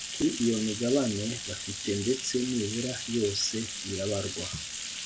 Kuri iyo migabane bafite ndetse nibura yose irabarwa